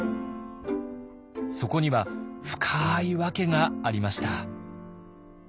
そこには深い訳がありました。